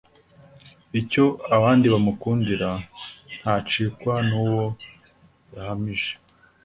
Icyo abandi bamukundira ntacikwa n'uwo yahamije